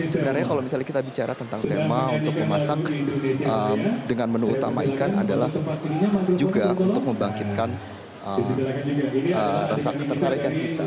sebenarnya kalau misalnya kita bicara tentang tema untuk memasak dengan menu utama ikan adalah juga untuk membangkitkan rasa ketertarikan kita